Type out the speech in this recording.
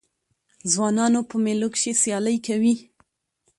ځوانان په مېلو کښي سیالۍ کوي.